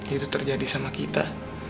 itu terjadi sama kita